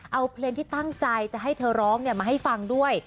เอาเพลงที่ตั้งใจจะให้เธอร้องมาให้ฟังด้วย